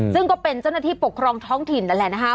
ซึ่งก็เป็นเจ้าหน้าที่ปกครองท้องถิ่นนั่นแหละนะคะ